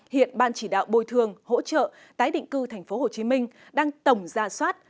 hiện ban chỉ đạo bồi thường hỗ trợ tái định cư tp hcm đang tổng ra soát